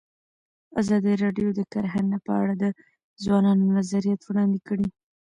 ازادي راډیو د کرهنه په اړه د ځوانانو نظریات وړاندې کړي.